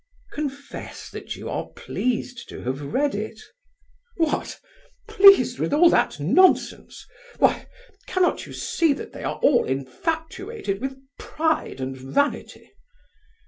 "Confess that you are pleased to have read it." "What! Pleased with all that nonsense! Why, cannot you see that they are all infatuated with pride and vanity?"